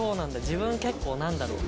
自分結構なんだろう？